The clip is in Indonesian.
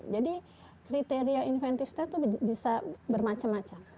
jadi kriteria inventif step itu bisa bermacam macam